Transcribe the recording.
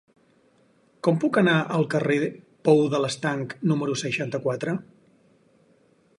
Com puc anar al carrer del Pou de l'Estanc número seixanta-quatre?